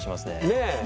ねえ！